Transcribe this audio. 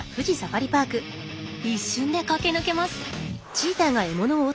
一瞬で駆け抜けます。